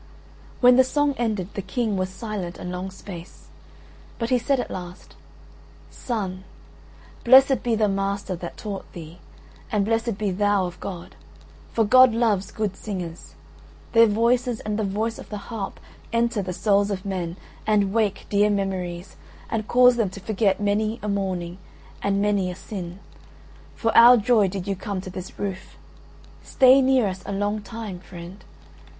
When the song ended, the King was silent a long space, but he said at last: "Son, blessed be the master that taught thee, and blessed be thou of God: for God loves good singers. Their voices and the voice of the harp enter the souls of men and wake dear memories and cause them to forget many a mourning and many a sin. For our joy did you come to this roof, stay near us a long time, friend."